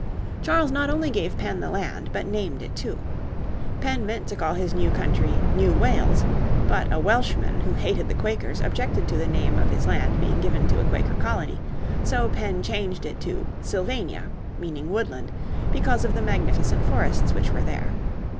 Charles not only gave Penn the land, but named it too. Penn meant to call his new country New Wales, but a Welshman who hated the Quakers objected to the name of his land being given to a Quaker colony, so Penn changed it to Sylvania, meaning Woodland, because of the magnificent forests which were there.